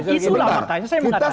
isulah makanya saya mengatakan